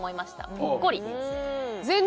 ほっこり。